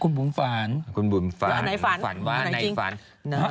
อ๋อคุณบุ๋มฝันอันไหนฝันอันไหนจริง